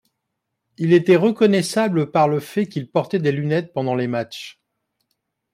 Il était reconnaissable par le fait qu'il portait des lunettes pendant les matchs.